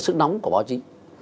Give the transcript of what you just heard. sức nóng của báo chí